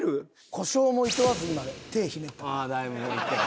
故障もいとわず今手ひねった。